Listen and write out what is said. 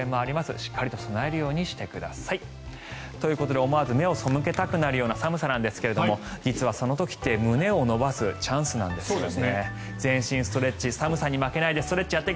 しっかりと備えるようにしてください。ということで思わず目をそむけたくなるような寒さなんですが実は、その時って胸を伸ばすチャンスなんですよね。